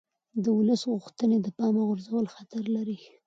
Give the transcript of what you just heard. د ولس غوښتنې د پامه غورځول خطر لري